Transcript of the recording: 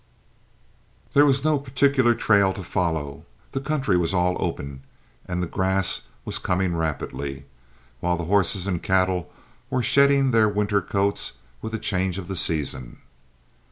There was no particular trail to follow. The country was all open, and the grass was coming rapidly, while the horses and cattle were shedding their winter coats with the change of the season.